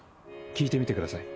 聞いてみてください